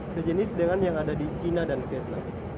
sejenis dengan yang ada di china dan vietnam